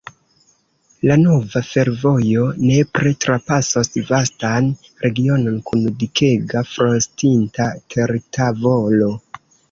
La nova fervojo nepre trapasos vastan regionon kun dikega frostinta tertavolo.